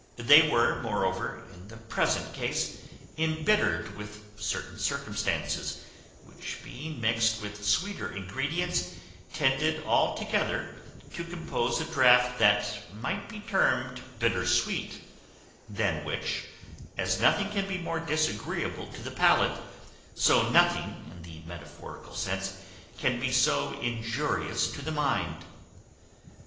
They were, moreover, in the present case, embittered with certain circumstances, which being mixed with sweeter ingredients, tended altogether to compose a draught that might be termed bitter sweet; than which, as nothing can be more disagreeable to the palate, so nothing, in the metaphorical sense, can be so injurious to the mind.